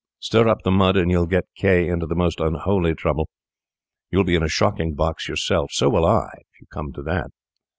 Stir up the mud, and you'll get K— into the most unholy trouble; you'll be in a shocking box yourself. So will I, if you come to that.